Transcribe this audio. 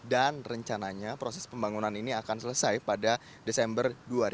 dan rencananya proses pembangunan ini akan selesai pada desember dua ribu enam belas